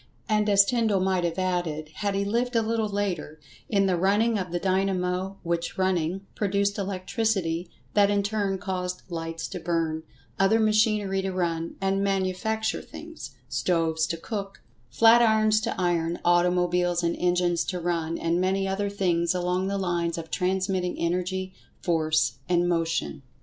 And, as Tyndall might have added, had he lived a little later—in the running of the dynamo, which running, produced electricity, that in turn caused lights to burn; other machinery to run and manufacture things; stoves to cook; flat irons to iron; automobiles and engines to run; and many other things along the lines of transmitting Energy, Force and Motion.